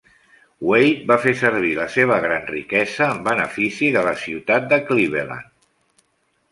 Wade va fer servir la seva gran riquesa en benefici de la ciutat de Cleveland.